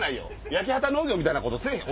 焼き畑農業みたいなことせぇへん。